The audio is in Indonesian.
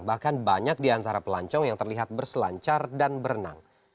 bahkan banyak di antara pelancong yang terlihat berselancar dan berenang